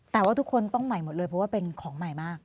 แต่ว่าทุกคนต้องใหม่หมดเลยเพราะว่าเป็นของใหม่มาก